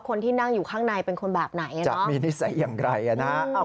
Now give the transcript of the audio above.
คนที่นั่งอยู่ข้างในเป็นคนแบบไหนจะมีนิสัยอย่างไรนะฮะ